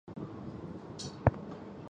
自由对流云通常在的高度形成。